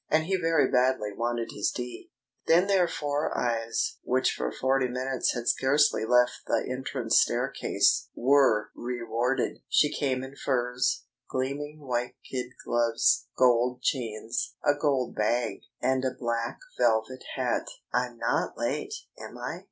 And he very badly wanted his tea. Then their four eyes, which for forty minutes had scarcely left the entrance staircase, were rewarded. She came in furs, gleaming white kid gloves, gold chains, a gold bag, and a black velvet hat. "I'm not late, am I?"